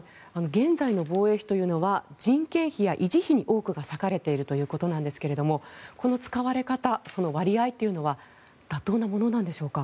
現在の防衛費というのは人件費や維持費に多くが割かれているということなんですがこの使われ方その割合というのは妥当なものなんでしょうか。